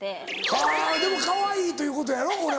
はぁでもかわいいということやろこれは。